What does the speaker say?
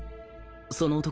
その男